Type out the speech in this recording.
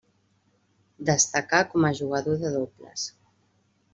Destacà com a jugador de dobles.